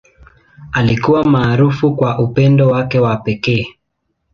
Alikuwa maarufu kwa upendo wake wa pekee.